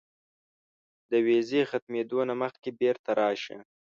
د ویزې ختمېدو نه مخکې بیرته راشه.